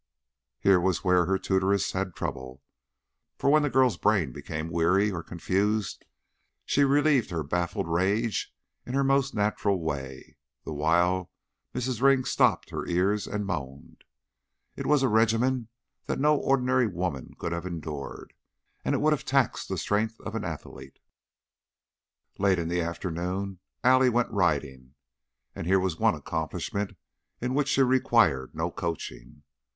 Here was where her tutoress had trouble, for when the girl's brain became weary or confused she relieved her baffled rage in her most natural way, the while Mrs. Ring stopped her ears and moaned. It was a regimen that no ordinary woman could have endured; it would have taxed the strength of an athlete. Late in the afternoon Allie went riding, and here was one accomplishment in which she required no coaching.